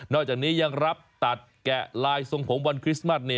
อกจากนี้ยังรับตัดแกะลายทรงผมวันคริสต์มัส